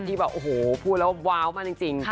ที่แบบโอ้โหพูดแล้วว้าวมากจริง